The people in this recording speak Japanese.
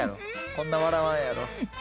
こんな笑わんやろ。